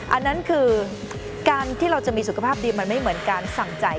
อันนั้นคือการที่เราจะมีสุขภาพดีมันไม่เหมือนการสั่งจ่าย